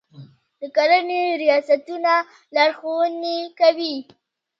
د کرنې ریاستونه لارښوونې کوي.